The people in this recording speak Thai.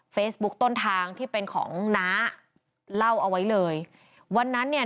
ต้นทางที่เป็นของน้าเล่าเอาไว้เลยวันนั้นเนี่ย